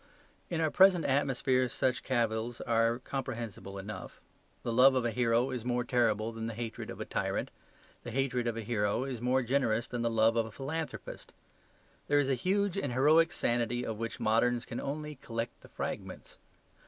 In our present atmosphere such cavils are comprehensible enough. The love of a hero is more terrible than the hatred of a tyrant. The hatred of a hero is more generous than the love of a philanthropist. There is a huge and heroic sanity of which moderns can only collect the fragments.